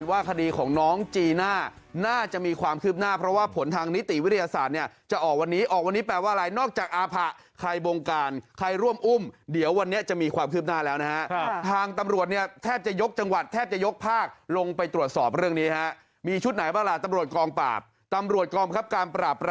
ว่าคดีของน้องจีน่าน่าจะมีความคืบหน้าเพราะว่าผลทางนิติวิทยาศาสตร์เนี่ยจะออกวันนี้ออกวันนี้แปลว่าอะไรนอกจากอาผะใครบงการใครร่วมอุ้มเดี๋ยววันนี้จะมีความคืบหน้าแล้วนะฮะทางตำรวจเนี่ยแทบจะยกจังหวัดแทบจะยกภาคลงไปตรวจสอบเรื่องนี้ฮะมีชุดไหนบ้างล่ะตำรวจกองปราบตำรวจกองคับการปราบ